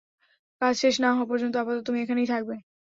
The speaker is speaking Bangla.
কাজ শেষ না হওয়া পর্যন্ত আপাতত তুমি এখানেই থাকবে।